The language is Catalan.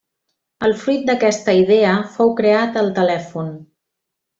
El fruit d'aquesta idea fou creat el telèfon.